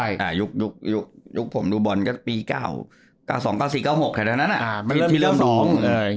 ยุคผมดูบอลมันก็ปี๒๐๐๐๒๐๐๖แถวนั้นน่ะมันเริ่มมีที่เริ่มดอง